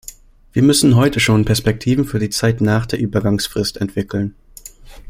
Wir müssen heute schon Perspektiven für die Zeit nach der Übergangsfrist entwickeln.